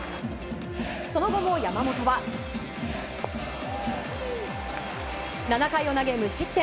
その後も山本は７回を投げ、無失点。